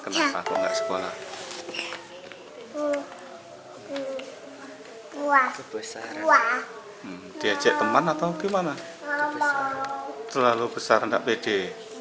buah buah besar diajak teman atau gimana selalu besar enggak pede